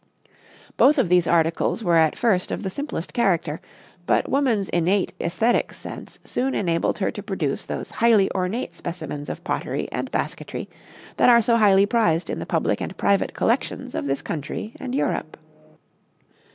Both of these articles were at first of the simplest character, but woman's innate esthetic sense soon enabled her to produce those highly ornate specimens of pottery and basketry that are so highly prized in the public and private collections of this country and Europe.